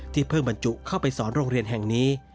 เพิ่งบรรจุเข้าไปสอนโรงเรียนแห่งนี้